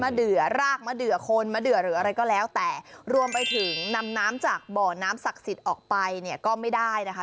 เดือรากมาเดือคนมาเดือหรืออะไรก็แล้วแต่รวมไปถึงนำน้ำจากบ่อน้ำศักดิ์สิทธิ์ออกไปเนี่ยก็ไม่ได้นะคะ